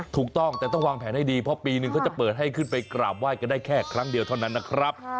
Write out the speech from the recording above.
ถูกต้องแต่ต้องวางแผนให้ดีเพราะปีนึงเขาจะเปิดให้ขึ้นไปกราบไห้กันได้แค่ครั้งเดียวเท่านั้นนะครับ